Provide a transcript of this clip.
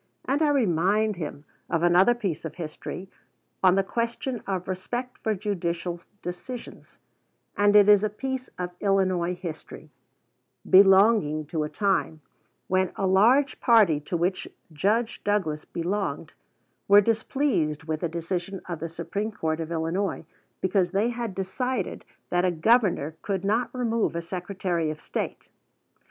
And I remind him of another piece of history on the question of respect for judicial decisions, and it is a piece of Illinois history, belonging to a time when a large party to which Judge Douglas belonged were displeased with a decision of the Supreme Court of Illinois because they had decided that a Governor could not remove a Secretary of State.